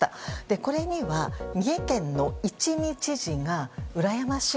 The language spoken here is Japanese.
これには三重県の一見知事がうらやましい。